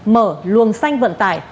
mở luồng xanh vận tải